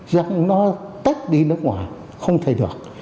rằng nó tích đi nước ngoài không thể được